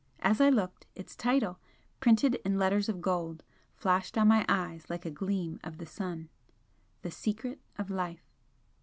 As I looked, its title, printed in letters of gold, flashed on my eyes like a gleam of the sun 'The Secret of Life.'